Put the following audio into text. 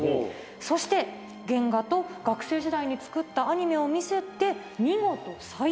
そして原画と学生時代に作ったアニメを見せて見事採用。